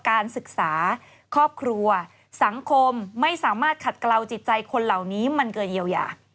การศึกษาครอบครัวสังคมไม่สามารถขัดกล่าวจิตใจคนเหล่านี้มันเกินเยียวยา